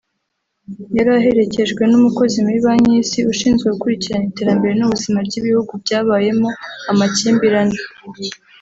yari aherekejwe n’umukozi muri banki y’Isi ushinzwe gukurikirana iterambere n’ubuzima ry’ibihugu byabayemo amakimbirane